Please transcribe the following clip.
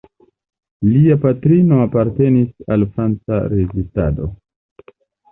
Lia patrino apartenis al franca rezistado.